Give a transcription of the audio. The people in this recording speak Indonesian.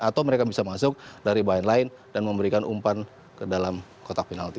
atau mereka bisa masuk dari bineline dan memberikan umpan ke dalam kotak penalti